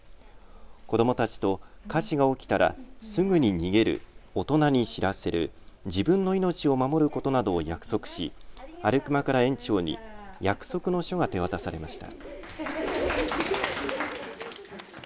子どもたちと火事が起きたらすぐに逃げる、大人に知らせる、自分の命を守ることなどを約束しアルクマから園長に約束の書が手渡されました。